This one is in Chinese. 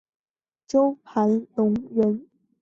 周盘龙人。